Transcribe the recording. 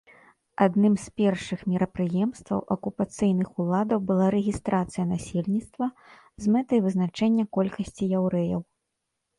Адным з першых мерапрыемстваў акупацыйных уладаў была рэгістрацыя насельніцтва з мэтай вызначэння колькасці яўрэяў.